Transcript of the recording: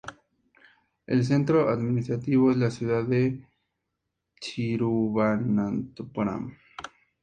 El centro administrativo es la ciudad de Thiruvananthapuram.